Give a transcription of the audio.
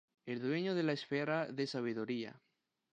El dueño de la esfera de Sabiduría.